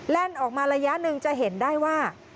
ออกมาระยะหนึ่งจะเห็นได้ว่า